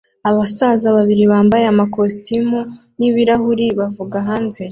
Abasaza babiri bambaye amakositimu n'ibirahuri bavuga hanze